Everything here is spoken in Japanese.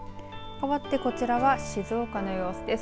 かわって、こちらは静岡の様子です。